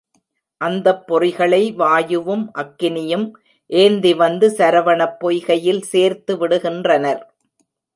அந்தப் பொறிகளை வாயுவும் அக்கினியும் ஏந்திவந்து சரவணப் பொய்கையில் சேர்த்து விடுகின்றனர்.